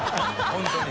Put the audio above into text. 本当に。